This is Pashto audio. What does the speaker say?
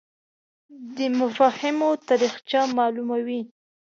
دی مفاهیمو تاریخچه معلوموي